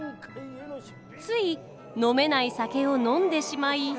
つい飲めない酒を飲んでしまい。